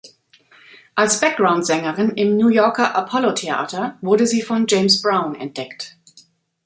Als Backgroundsängerin im New Yorker Apollo Theater wurde sie von James Brown entdeckt.